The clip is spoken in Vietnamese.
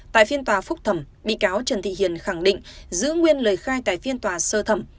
tại phiên tòa phúc thẩm bị cáo trần thị hiền khẳng định giữ nguyên lời khai tại phiên tòa sơ thẩm